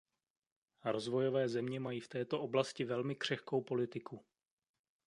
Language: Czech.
Rozvojové země mají v této oblasti velmi křehkou politiku.